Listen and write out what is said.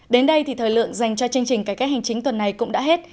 đến đây thì thời lượng dành cho chương trình cải cách hành chính tuần này cũng đã hết